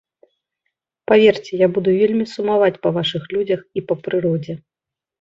Паверце, я буду вельмі сумаваць па вашых людзях і па прыродзе.